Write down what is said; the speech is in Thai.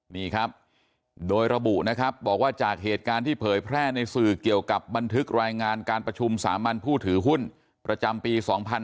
นี่ครับโดยระบุนะครับบอกว่าจากเหตุการณ์ที่เผยแพร่ในสื่อเกี่ยวกับบันทึกรายงานการประชุมสามัญผู้ถือหุ้นประจำปี๒๕๕๙